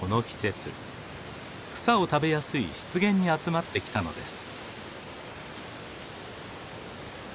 草を食べやすい湿原に集まってきたのです。